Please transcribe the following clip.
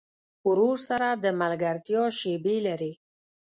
ورور سره د ملګرتیا شیبې لرې.